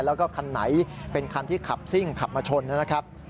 แล้วก็คันไหนเป็นคันที่ขับซิ่งขับมาชนนะครับ